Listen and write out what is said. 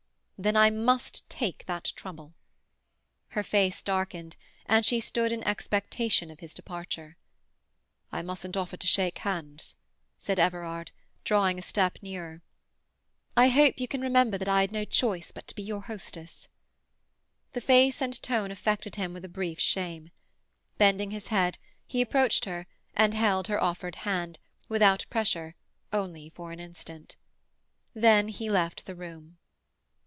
"Then I must take that trouble." Her face darkened, and she stood in expectation of his departure. "I mustn't offer to shake hands," said Everard, drawing a step nearer. "I hope you can remember that I had no choice but to be your hostess." The face and tone affected him with a brief shame. Bending his head, he approached her, and held her offered hand, without pressure, only for an instant. Then he left the room.